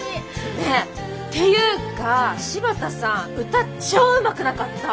ねえていうか柴田さん歌超うまくなかった？